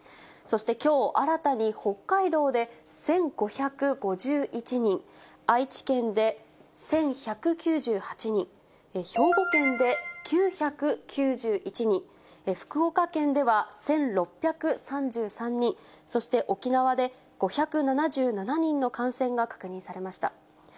そして、きょう新たに北海道で１５５１人、愛知県で１１９８人、兵庫県で９９１人、福岡県では１６３３人、そして沖縄で５７７人の感染が確認されました。